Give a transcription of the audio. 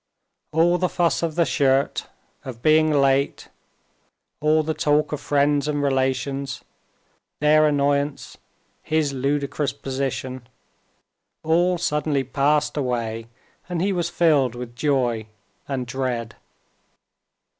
All the fuss of the shirt, of being late, all the talk of friends and relations, their annoyance, his ludicrous position—all suddenly passed away and he was filled with joy and dread.